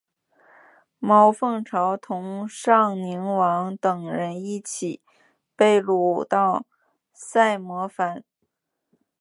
毛凤朝同尚宁王等人一起被掳到萨摩藩。